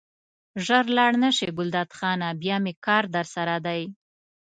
ژر لاړ نه شې ګلداد خانه بیا مې کار درسره دی.